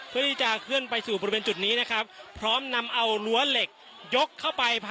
เพื่อที่จะเคลื่อนไปสู่บริเวณจุดนี้นะครับพร้อมนำเอารั้วเหล็กยกเข้าไป